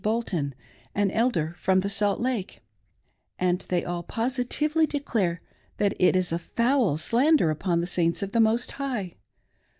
Bolton— an Elder from the Salt Lake ; and they all positively declare that it is a foul slander up«n the Saints of the Most High.